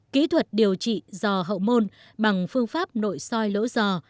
kỹ thuật điều trị dò hậu môn bằng phương pháp nội soi lỗ dò